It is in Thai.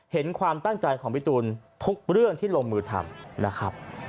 เห็นความตั้งใจของพี่ตูนทุกเรื่องที่ลงมือทำนะครับ